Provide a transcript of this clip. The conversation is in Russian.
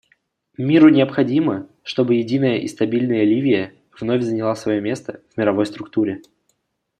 Миру необходимо, чтобы единая и стабильная Ливия вновь заняла свое место в мировой структуре.